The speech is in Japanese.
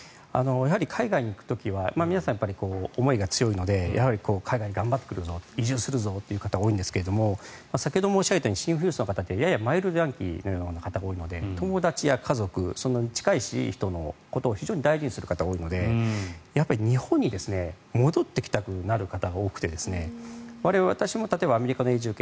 海外に行く時は皆さん、思いが強いのでやはり、海外頑張って行くぞ移住するぞという人が多いんですが先ほど申し上げたようにシン富裕層ってややマイルドヤンキーみたいな人が多いので友達や家族、近い人を非常に大事にする方が多いので日本に戻ってきたくなる方が多くて私も例えばアメリカの移住権